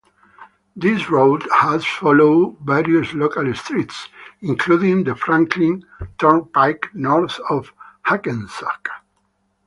This route had followed various local streets, including the Franklin Turnpike north of Hackensack.